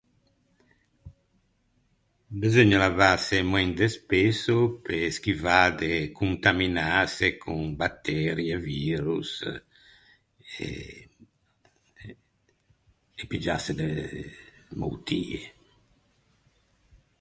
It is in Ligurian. Beseugna lavâse e moen de spesso pe schivâ de contaminâse con batteri e virus e e piggiâse de moutie.